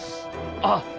あっ